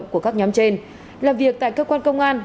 của các nhóm trên làm việc tại cơ quan công an